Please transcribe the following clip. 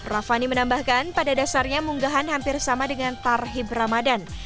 rafani menambahkan pada dasarnya munggahan hampir sama dengan tarhib ramadan